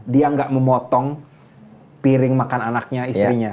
dia nggak memotong piring makan anaknya istrinya